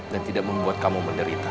dan tidak membuat kamu menderita